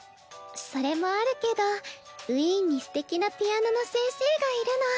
それもあるけどウィーンにすてきなピアノの先生がいるの。